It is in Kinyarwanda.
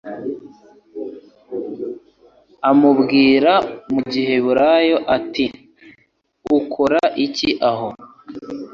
amubwira mu giheburayo ati urakora iki aho